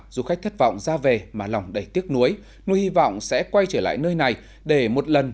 du khách thất vọng ra về mà lòng đầy tiếc nuối nuôi hy vọng sẽ quay trở lại nơi này để một lần